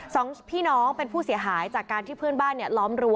สองพี่น้องเป็นผู้เสียหายจากการที่เพื่อนบ้านเนี่ยล้อมรั้